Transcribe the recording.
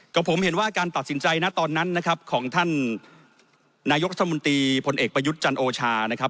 ก็ผมเห็นว่าการตัดสินใจตอนนั้นของท่านนายกสมติพลเอกประยุทธ์จันโอชา